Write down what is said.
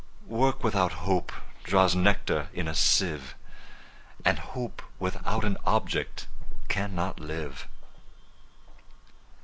Work without Hope draws nectar in a sieve, And Hope without an object cannot live.